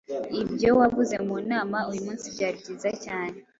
Ibyo wavuze mu nama uyu munsi byari byiza cyane.